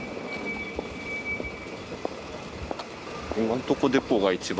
今のとこデポーが一番。